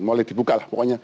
mulai dibuka lah pokoknya